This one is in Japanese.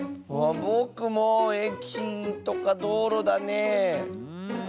ぼくもえきとかどうろだねえ。